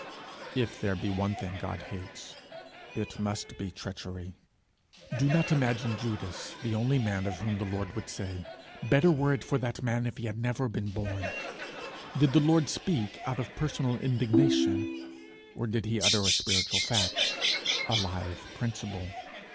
If there be one thing God hates, it must be treachery. Do not imagine Judas the only man of whom the Lord would say, 'Better were it for that man if he had never been born!' Did the Lord speak out of personal indignation, or did he utter a spiritual fact, a live principle?